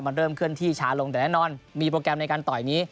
มันเริ่มเคลื่อนที่ช้าลงแต่แน่นอนมีโปรแกรมในการต่อยนี้